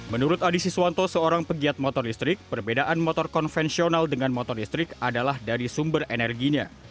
menurut adi siswanto seorang pegiat motor listrik perbedaan motor konvensional dengan motor listrik adalah dari sumber energinya